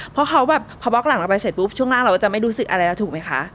เพราะเขาแบบพอบล็อกหลังเราไปเสร็จปุ๊บช่วงหน้าเราก็จะไม่รู้สึกอะไรแล้วถูกไหมคะ